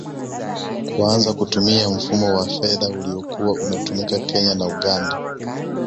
Kuanza kutumia mfumo wa fedha uliokuwa unatumika Kenya na Uganda